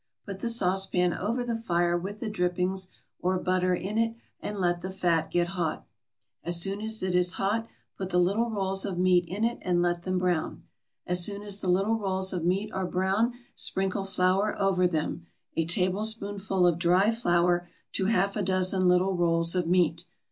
Put the saucepan over the fire with the drippings or butter in it and let the fat get hot. As soon as it is hot put the little rolls of meat in it and let them brown. As soon as the little rolls of meat are brown sprinkle flour over them, a tablespoonful of dry flour to half a dozen little rolls of meat.